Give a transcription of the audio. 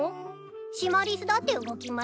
シマリスだって動きます。